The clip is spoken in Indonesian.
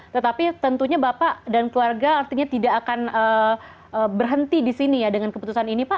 tetapi tentunya bapak dan keluarga artinya tidak akan berhenti di sini ya dengan keputusan ini pak